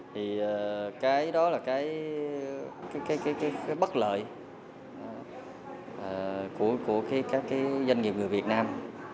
thì cái đó là cái bất lợi của các cái doanh nghiệp người việt nam